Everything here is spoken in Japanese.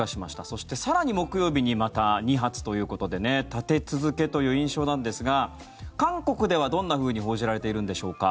そして、更に木曜日にまた２発ということで立て続けという印象なんですが韓国ではどんなふうに報じられているんでしょうか。